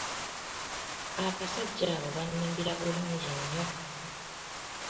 Abasajja abo bannyimbira bulungi nnyo.